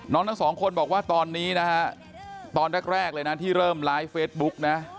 ทั้งสองคนบอกว่าตอนนี้นะฮะตอนแรกเลยนะที่เริ่มไลฟ์เฟซบุ๊กนะ